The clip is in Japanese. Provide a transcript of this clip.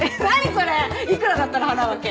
それいくらだったら払うわけ？